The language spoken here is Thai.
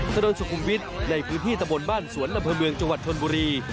ถนนสุขุมวิทย์ในพื้นที่ตะบนบ้านสวนอำเภอเมืองจังหวัดชนบุรี